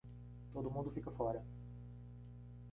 Todo mundo fica fora